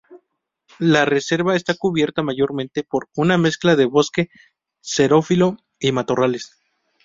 La reserva está cubierta mayormente por una mezcla de bosque xerófilo y matorrales.